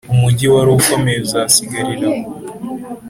Umugi wari ukomeye uzasigarire aho,